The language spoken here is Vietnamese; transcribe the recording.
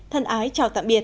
thân ái chào tạm biệt